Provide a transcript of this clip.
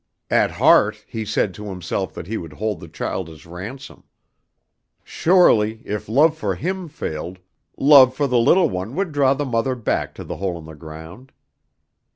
At heart he said to himself that he would hold the child as ransom. Surely, if love for him failed, love for the little one would draw the mother back to the hole in the ground.